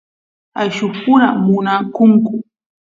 ayllus pura munakunku